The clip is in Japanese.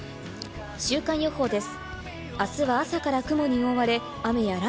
週間予報です。